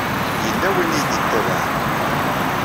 Yella win i yi-d-itabaɛen.